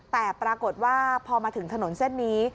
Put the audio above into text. แต่ปรากฏว่าพอมาถึงถนนเส้นนี้